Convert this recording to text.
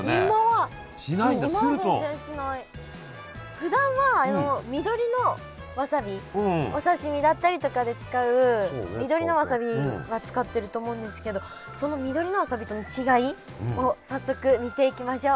ふだんはあの緑のわさびお刺身だったりとかで使う緑のわさびは使ってると思うんですけどその緑のわさびとの違いを早速見ていきましょう。